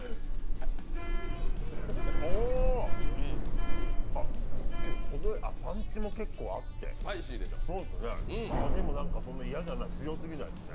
おー、あっ、パンチも結構あってでも何かそんなに嫌じゃない、強すぎないですね。